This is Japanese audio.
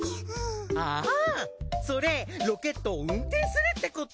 あぁそれロケットを運転するってこと？